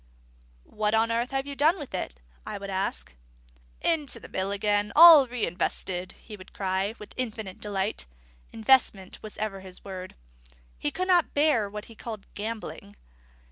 "What on earth have you done with it?" I would ask. "Into the mill again; all re invested!" he would cry, with infinite delight. Investment was ever his word. He could not bear what he called gambling.